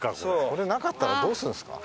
これなかったらどうするんですか？